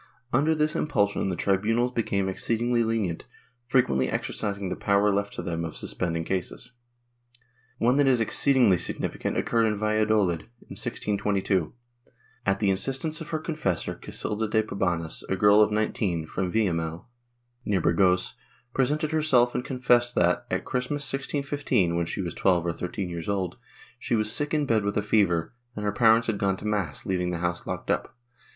Under this impulsion, the tribunals became exceedingly lenient, frequently exercising the power left to them of suspending cases. One that is exceed ingly significant occurred at Valladolid, in 1622. At the instance of her confessor, Casilda de Pabanes, a girl of 19, from A^illamiel, near Burgos, presented herself and confessed that, at Christmas 1615 (when she was 12 or 13 years old) she was sick in bed with a fever, and her parents had gone to mass, leaving the house locked up.